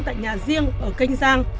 tại nhà riêng ở kênh giang